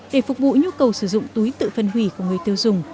để phục vụ nhu cầu sử dụng túi tự phân hủy của người tiêu dùng